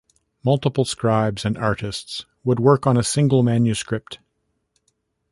Multiple scribes and artists would work on a single manuscript.